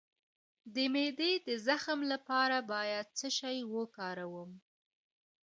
د معدې د زخم لپاره باید څه شی وکاروم؟